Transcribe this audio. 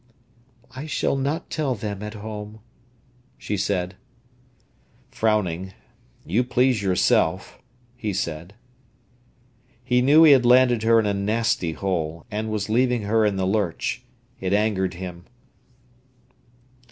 "I shall not tell them at home," she said. Frowning, "You please yourself," he said. He knew he had landed her in a nasty hole, and was leaving her in the lurch. It angered him.